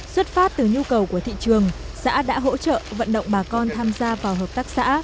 xuất phát từ nhu cầu của thị trường xã đã hỗ trợ vận động bà con tham gia vào hợp tác xã